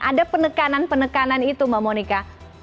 ada penekanan penekanan itu mbak monika